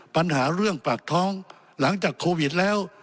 ปัญหาเรื่องปากท้องหลังจากโควิดแล้ว